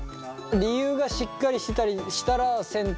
理由がしっかりしてたりしたらせん